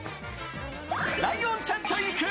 ライオンちゃんと行く！